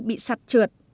bị sạt trượt